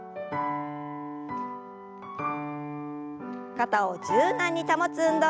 肩を柔軟に保つ運動です。